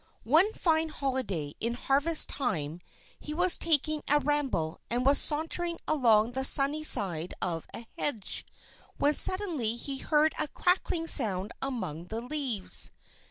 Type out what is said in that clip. One fine holiday in harvest time, he was taking a ramble and was sauntering along the sunny side of a hedge, when suddenly he heard a crackling sound among the leaves.